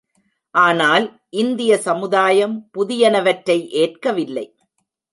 ஆனால் இந்திய சமுதாயம் புதியன வற்றை ஏற்கவில்லை.